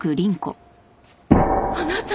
あなた！